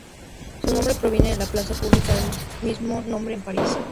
Su nombre proviene de la plaza pública del mismo nombre en París.